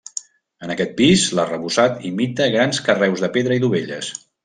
En aquest pis l'arrebossat imita grans carreus de pedra i dovelles.